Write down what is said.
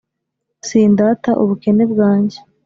sindata ubukene bwanjye,